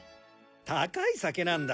高い酒なんだ。